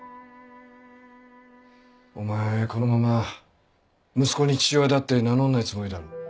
お前このまま息子に父親だって名乗んないつもりだろ。